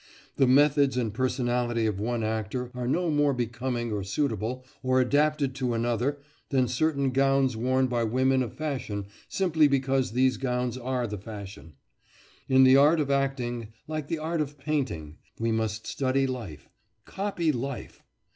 The methods and personality of one actor are no more becoming or suitable or adapted to another than certain gowns worn by women of fashion simply because these gowns are the fashion. In the art of acting, like the art of painting, we must study life copy life!